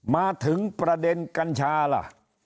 มาถึงประเด็นกัญชาล่ะ